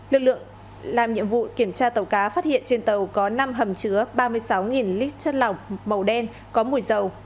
lực lượng làm nhiệm vụ kiểm tra tàu cá phát hiện trên tàu có năm hầm chứa ba mươi sáu lít chất lỏng màu đen có mùi dầu